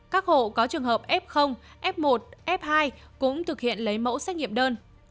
các hộ có trường hợp f f một f hai cũng thực hiện lấy mẫu xét nghiệm đơn